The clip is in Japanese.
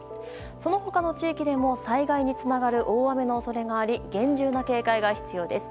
その他の地域でも災害につながる大雨の恐れがあり厳重な警戒が必要です。